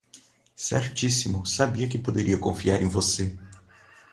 Certíssimo, sabia que poderia confiar em você